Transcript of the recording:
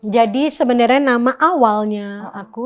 jadi sebenarnya nama awalnya aku